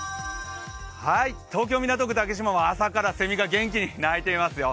東京・港区竹芝は朝からせみが元気に鳴いていますよ。